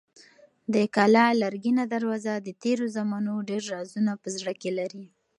د کلا لرګینه دروازه د تېرو زمانو ډېر رازونه په زړه کې لري.